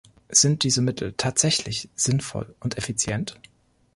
Sind diese Mittel tatsächlich sinnvoll und effizient?